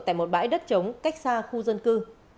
tại một bãi đất trống cách xa khu dân cư